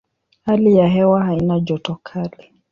Hali ya hewa haina joto kali.